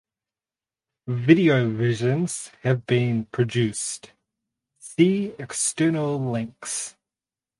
Video versions have been produced (see External Links).